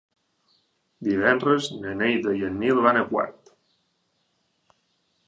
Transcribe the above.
Divendres na Neida i en Nil van a Quart.